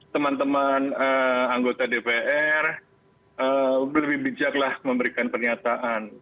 teman teman anggota dpr lebih bijaklah memberikan pernyataan